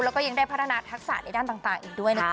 แล้วก็ยังได้พัฒนาทักษะในด้านต่างอีกด้วยนะจ